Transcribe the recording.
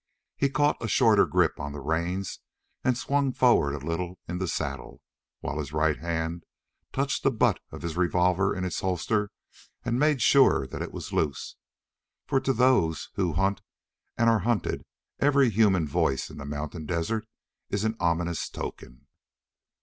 He caught a shorter grip on the reins and swung forward a little in the saddle, while his right hand touched the butt of the revolver in its holster and made sure that it was loose; for to those who hunt and are hunted every human voice in the mountain desert is an ominous token.